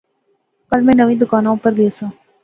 کل میں نویں دکاناں اوپر گیساں